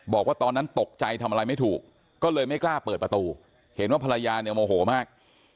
บอกว่าตอนนั้นตกใจทำอะไรไม่ถูกก็เลยไม่กล้าเปิดประตูเห็นว่าภรรยาเนี่ยโมโหมาก